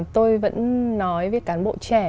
tôi vẫn nói với cán bộ trẻ